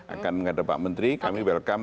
akan menghadap pak menteri kami welcome